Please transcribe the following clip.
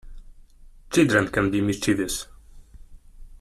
Children can be mischievous.